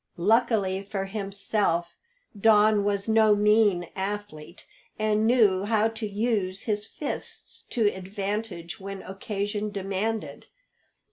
Luckily for himself Don was no mean athlete, and knew how to use his fists to advantage when occasion demanded.